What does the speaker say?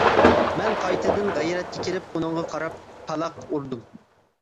مەن قايتىدىن غەيرەتكە كېلىپ ئۇنىڭغا قاراپ پالاق ئۇردۇم.